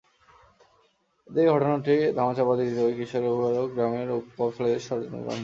এদিকে ঘটনাটি ধামাচাপা দিতে ওই কিশোরের অভিভাবক গ্রামের প্রভাবশালীদের শরণাপন্ন হন।